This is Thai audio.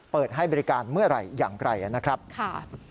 เปิดให้อเมริการเมื่อไหร่อย่างไกลอ่ะนะครับค่ะ